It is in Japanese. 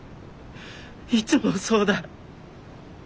いつもそうだ。